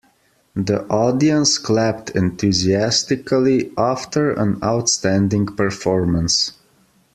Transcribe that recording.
The audience clapped enthusiastically after an outstanding performance.